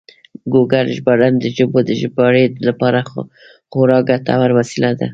ګوګل ژباړن د ژبو د ژباړې لپاره خورا ګټور وسیله ده.